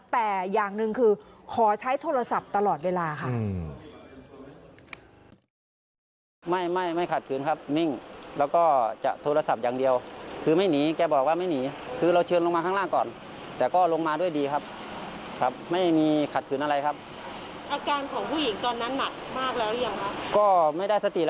แต่อย่างหนึ่งคือขอใช้โทรศัพท์ตลอดเวลาค่ะ